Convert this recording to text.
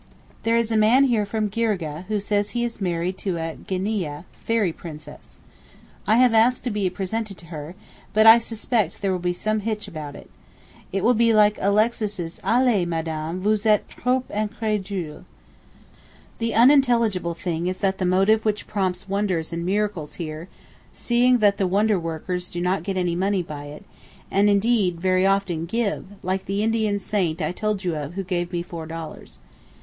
There is a man here from Girgeh, who says he is married to a Ginneeyeh (fairy) princess. I have asked to be presented to her, but I suspect there will be some hitch about it. It will be like Alexis's Allez, Madame, vous êtes trop incrédule. The unintelligible thing is the motive which prompts wonders and miracles here, seeing that the wonder workers do not get any money by it; and indeed, very often give, like the Indian saint I told you of who gave me four dollars.